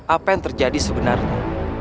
apa yang terjadi sebenarnya